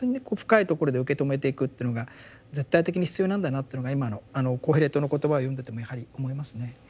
こう深いところで受け止めていくっていうのが絶対的に必要なんだなというのが今の「コヘレトの言葉」を読んでてもやはり思いますね。